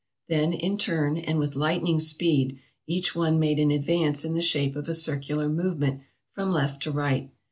Then in turn, and with lightning speed, each one made an advance in the shape of a circular movement from left to right.